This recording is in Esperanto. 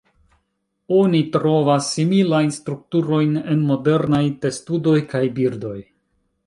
Oni trovas similajn strukturojn en modernaj testudoj kaj birdoj.